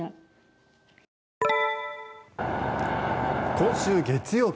今週月曜日